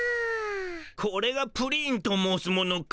これがプリンと申すものか。